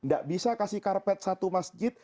nggak bisa kasih karpet satu masjid